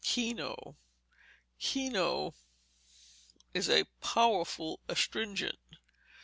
Kino Kino is a powerful astringent.